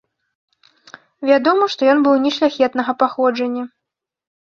Вядома, што ён быў нешляхетнага паходжання.